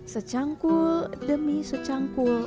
secangkul demi secangkul